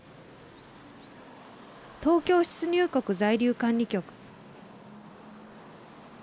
東京出入国在留管理局。